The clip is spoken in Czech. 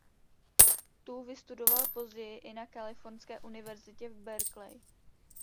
Tu vystudoval později i na Kalifornské univerzitě v Berkeley.